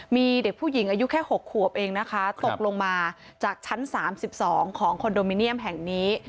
มีเด็กผู้หญิงอายุแค่๖ขวบเองนะคะตกลงมาจากชั้น๓๒ของคอนโดมิเนียมแห่งนี้